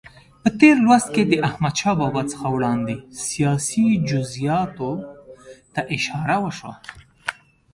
په تېر لوست کې د احمدشاه بابا څخه وړاندې سیاسي جزئیاتو ته اشاره وشوه.